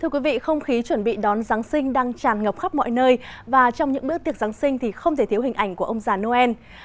thưa quý vị không khí chuẩn bị đón giáng sinh đang tràn ngập khắp mọi nơi và trong những bữa tiệc giáng sinh thì không thể thiếu hình ảnh của ông già noel